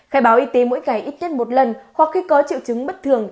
khai báo y tế mỗi ngày ít nhất một lần hoặc khi có triệu chứng bất thường